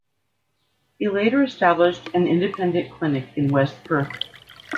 He later established an independent clinic in West Perth.